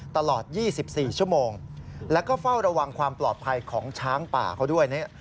ตลอด๒๔ชั่วโมงแล้วก็เฝ้าระวังความปลอดภัยของช้างป่าเขาด้วยเนี่ย